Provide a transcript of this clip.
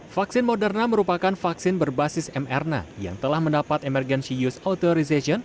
vaksin moderna merupakan vaksin berbasis mrna yang telah mendapat emergency use authorization